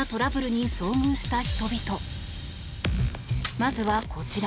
まずはこちら。